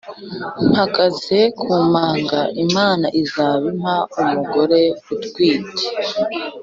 Mpagaze ku manga Imana izaba impa-Umugore utwite.